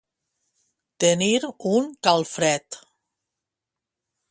Tenir un calfred.